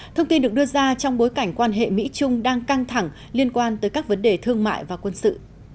thông tin được đưa ra trong bối cảnh quan hệ mỹ trung đang căng thẳng liên quan tới các vấn đề thương mại và quân sự